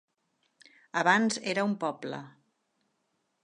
Abans era un poble.